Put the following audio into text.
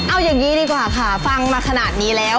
เอาอย่างนี้ดีกว่าค่ะฟังมาขนาดนี้แล้ว